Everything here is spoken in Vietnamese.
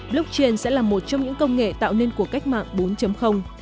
blockchain sẽ là một trong những công nghệ tạo nên cuộc cách mạng bốn